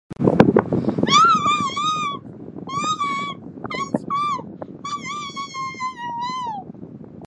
Local news, weather, and sports were seen in the initial shows.